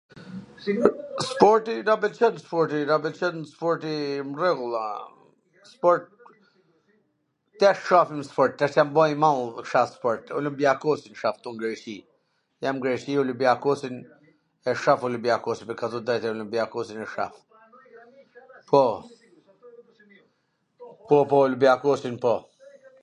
Sporti na pwlqen sporti, na pwlqen sporti m rregull a, sport tash shofim sport, tash jam bo i madh un, sho sport, Olimbiakosi a ktu n Greqi, jam n Greqi Olimbiakosin e shof Olimbiakosin, me t thwn tw dtrejtwn Olimbiakosin e shoh, po. Po, po, Olimbiakosin po.